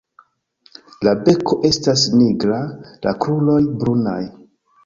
La beko estas nigra; la kruroj brunaj.